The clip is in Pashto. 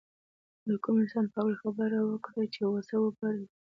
د کوم انسان په هکله خبره وکړو چې غوسه وپاروي.